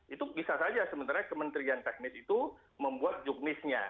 itu bisa saja sementara kementerian teknis itu membuat juknisnya